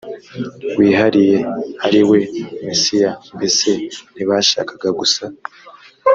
wihariye ariwe mesiya mbese ntibashakaga gusa